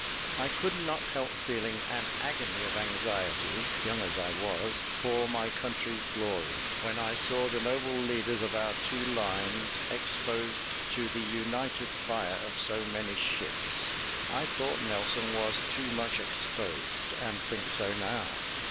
I could not help feeling an agony of anxiety (young as I was) for my country's glory, when I saw the noble leaders of our two lines exposed to the united fire of so many ships. I thought Nelson was too much exposed, and think so now.